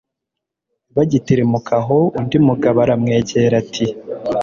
Bagitirimuka aho, undi mugabo aramwegera ati: